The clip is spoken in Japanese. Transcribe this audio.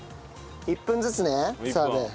１分ずつね澤部。